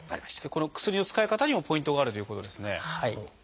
この薬の使い方にもポイントがあるということですね。